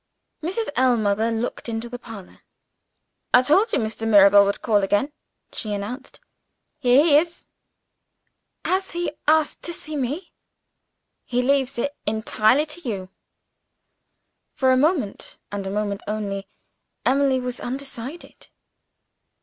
Mrs. Ellmother looked into the parlor. "I told you Mr. Mirabel would call again," she announced. "Here he is." "Has he asked to see me?" "He leaves it entirely to you." For a moment, and a moment only, Emily was undecided.